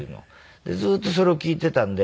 ずっとそれを聞いてたんで。